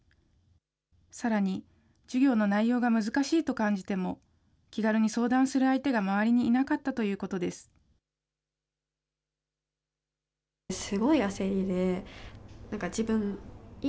さらに、授業の内容が難しいと感じても、気軽に相談する相手が周りにいなかったということです。